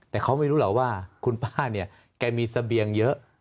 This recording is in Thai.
แต่เขาไม่รู้หรอกว่าคุณป้าเนี่ยแกมีเสบียงเยอะ